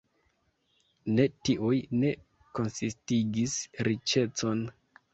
Ne, tiuj ne konsistigis riĉecon.